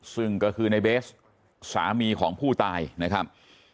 ซึ่งก็คือในเบสสามีของผู้ตายนะครับ